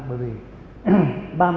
bởi vì ba mươi năm